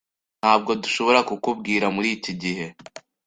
Ntabwo dushobora kukubwira muri iki gihe.